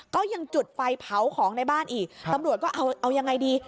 ก็ยังจุดไฟเผาของในบ้านอีกตำรวจก็เอายังไงดี